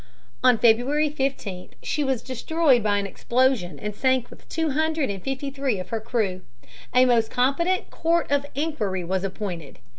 On February 15 she was destroyed by an explosion and sank with two hundred and fifty three of her crew. A most competent Court of Inquiry was appointed.